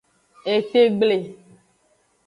Etegble.